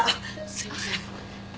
すいません